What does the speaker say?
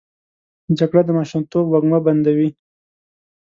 جګړه د ماشومتوب وږمه بندوي